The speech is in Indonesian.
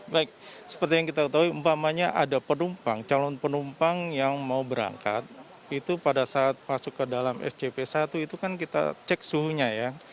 baik seperti yang kita ketahui umpamanya ada penumpang calon penumpang yang mau berangkat itu pada saat masuk ke dalam scp satu itu kan kita cek suhunya ya